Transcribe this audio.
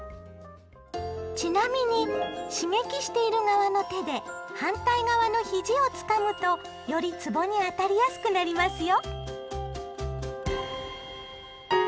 ちなみに刺激している側の手で反対側の肘をつかむとよりつぼに当たりやすくなりますよ！